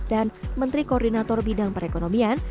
dan menteri koordinator bidang perekonomian